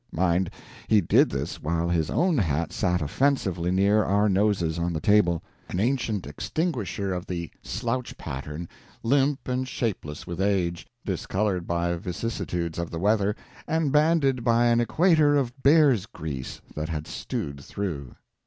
Mind, he did this while his own hat sat offensively near our noses, on the table an ancient extinguisher of the "slouch" pattern, limp and shapeless with age, discolored by vicissitudes of the weather, and banded by an equator of bear's grease that had stewed through.